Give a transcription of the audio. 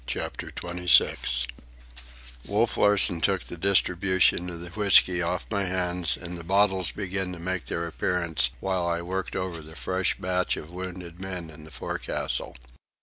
CHAPTER XXVI Wolf Larsen took the distribution of the whisky off my hands, and the bottles began to make their appearance while I worked over the fresh batch of wounded men in the forecastle.